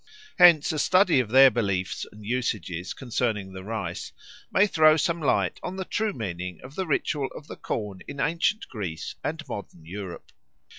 Hence a study of their beliefs and usages concerning the rice may throw some light on the true meaning of the ritual of the corn in ancient Greece and modern Europe.